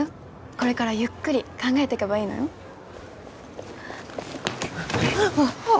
これからゆっくり考えてけばいいのよああ